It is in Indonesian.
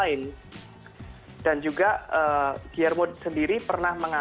dengan antara karya karya dia yang sebelumnya dalam pans labirin ataupun karya karyanya lain